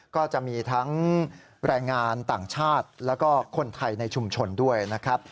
ก็จะมีทั้งแรงงานต่างชาติแล้วก็คนไทยในชุมชนด้วยนะครับ